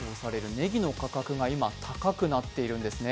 ねぎの価格が今、高くなっているんですね。